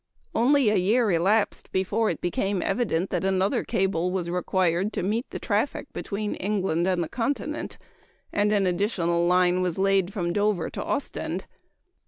Only a year elapsed before it became evident that another cable was required to meet the traffic between England and the Continent, and an additional line was laid from Dover to Ostend.